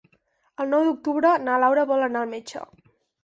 El nou d'octubre na Laura vol anar al metge.